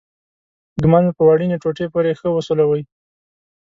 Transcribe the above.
ږمنځ په وړینې ټوټې پورې ښه وسولوئ.